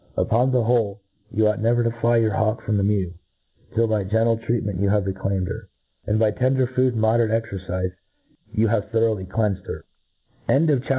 Upon the whole, you ought never to fly your hawk from the mew, till by gentle treatment you have reclaimed her, and by tender food and moderate excrcifc you have thoroughly cleanfcd her* CHAP.